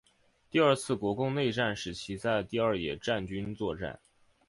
第二次国共内战时期在第二野战军作战。